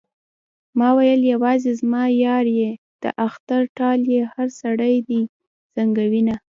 ما ويل يوازې زما يار يې د اختر ټال يې هر سړی دې زنګوينه